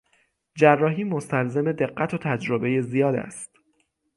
جراحی مستلزم دقت و تجربهی زیاد است.